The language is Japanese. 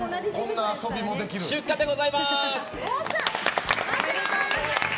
出荷でございます。